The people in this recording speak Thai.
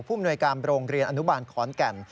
มนวยการโรงเรียนอนุบาลขอนแก่น